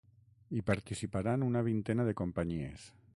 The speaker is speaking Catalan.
Hi participaran una vintena de companyies.